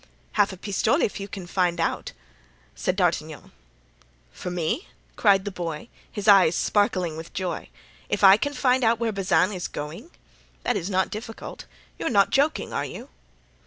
"Half a pistole if you can find out," said D'Artagnan. "For me?" cried the boy, his eyes sparkling with joy, "if I can find out where Bazin is going? That is not difficult. You are not joking, are you?"